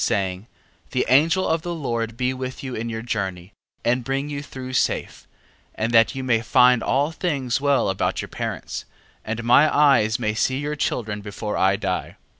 Saying: The holy angel of the Lord be with you in your journey, and bring you through safe, and that you may find all things well about your parents, and my eyes may see your children before I die.